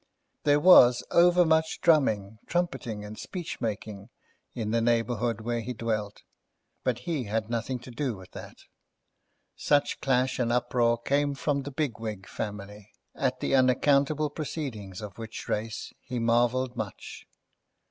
There was over much drumming, trumpeting, and speech making, in the neighbourhood where he dwelt; but he had nothing to do with that. Such clash and uproar came from the Bigwig family, at the unaccountable proceedings of which race, he marvelled much.